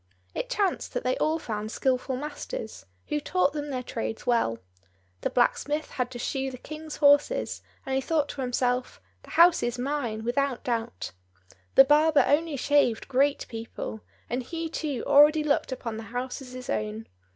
It chanced that they all found skilful masters, who taught them their trades well. The blacksmith had to shoe the King's horses, and he thought to himself, "The house is mine, without doubt." The barber only shaved great people, and he too already looked upon the house as his own.